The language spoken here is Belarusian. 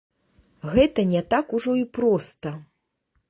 Гэта не так ужо і проста.